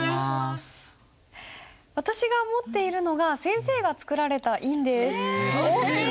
私が持っているのが先生が作られた印です。